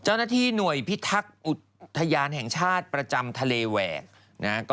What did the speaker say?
เจ้าหน้าที่หน่วยพิทักษ์อุทยานแห่งชาติประจำทะเลแหวกนะฮะ